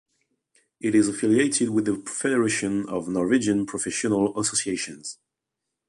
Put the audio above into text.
It is affiliated with the Federation of Norwegian Professional Associations.